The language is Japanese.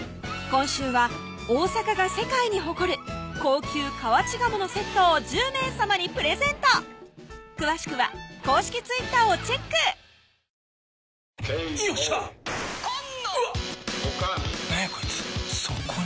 今週は大阪が世界に誇る高級河内鴨のセットを１０名様にプレゼント詳しくは公式Ｔｗｉｔｔｅｒをチェックドーン！